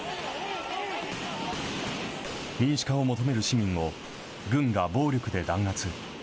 民主化を求める市民を軍が暴力で弾圧。